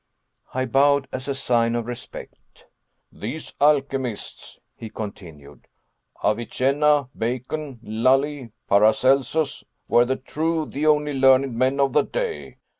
I bowed as a sign of respect. "These alchemists," he continued, "Avicenna, Bacon, Lully, Paracelsus, were the true, the only learned men of the day.